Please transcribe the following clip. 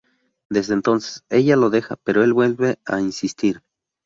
Desde entonces ella lo deja, pero el vuelve a insistir.